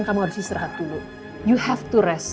kamu harus istirahat dulu kamu harus istirahat